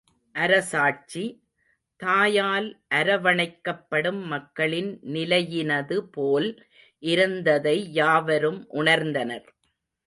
அரசாட்சி, தாயால் அரவணைக்கப்படும் மக்களின் நிலையினதுபோல் இருந்ததை யாவரும் உணர்ந்தனர்.